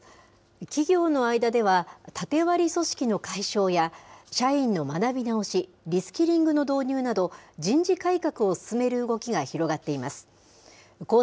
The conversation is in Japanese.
企業の間では、縦割り組織の解消や、社員の学び直し、リスキリングの導入など、人事改革を進める動きが広がっています。